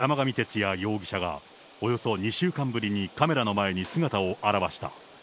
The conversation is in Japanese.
きょう、山上徹也容疑者がおよそ２週間ぶりにカメラの前に姿を現した。